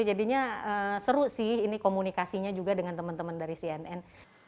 jadinya seru sih ini komunikasinya juga dengan teman teman dari cnn